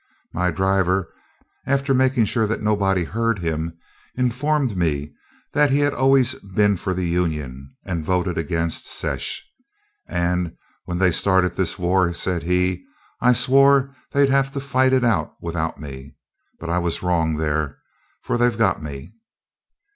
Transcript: My driver, after making sure that nobody heard him, informed me that he had always been for the Union, and voted against "secesh"; "and when they started this war," said he, "I swore they'd have to fight it out without me; but I was wrong there, for they've got me."